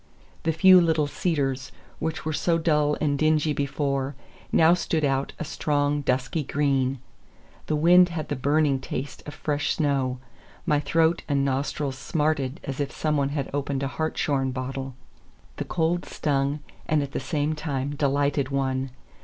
The few little cedars, which were so dull and dingy before, now stood out a strong, dusky green. The wind had the burning taste of fresh snow; my throat and nostrils smarted as if some one had opened a hartshorn bottle. The cold stung, and at the same time delighted one.